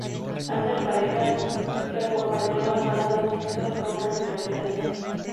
Anda en parejas, que acompañan bandadas mixtas con regularidad.